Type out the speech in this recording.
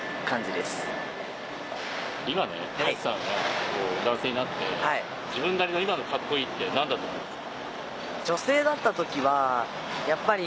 今ね花月さんが男性になって自分なりの今のカッコいいって何だと思いますか？